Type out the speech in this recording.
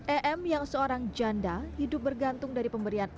em yang seorang janda hidup bergantung dari pemberian